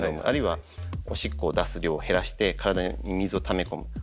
あるいはおしっこを出す量を減らして体に水をため込む。